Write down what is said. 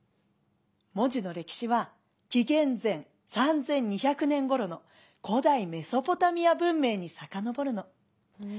文字の歴史は紀元前３２００年ごろの古代メソポタミア文明に遡るの。